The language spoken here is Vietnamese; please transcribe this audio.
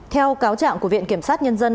theo cáo trạng của viện kiểm sát nhân dân